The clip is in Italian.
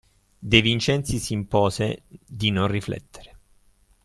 De Vincenzi s'impose di non riflettere.